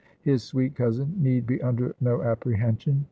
His sweet cousin need be under no apprehension.